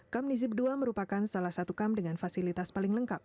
kam nizib ii merupakan salah satu kam dengan fasilitas paling lengkap